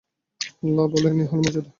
আল্লাহ বললেন, এ হল মর্যাদা।